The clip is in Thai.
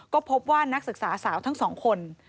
ก็พบว่านักศึกษาสาวทั้งสองคน